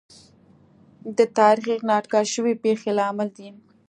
د تاریخ نااټکل شوې پېښې لامل دي.